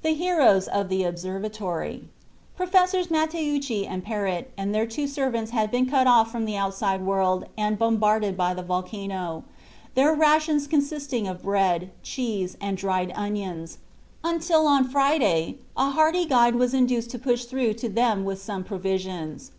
THE HEROES OF THE OBSERVATORY. For several days Professors Matteucci and Perret and their two servants had been cut off from the outside world and bombarded by the volcano, their rations consisting of bread, cheese and dried onions, until on Friday a hardy guide was induced to push through to them with some provisions.